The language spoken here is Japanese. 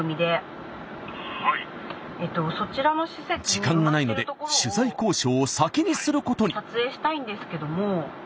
時間がないので取材交渉を先にすることに。